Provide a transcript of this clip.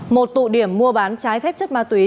một tụ điểm mua bán trái phép chất ma túy